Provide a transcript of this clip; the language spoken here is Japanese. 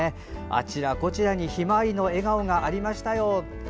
あちらこちらにヒマワリの笑顔がありましたよ。